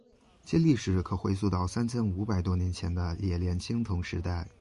其历史可回溯到三千五百多年前的冶炼青铜时代。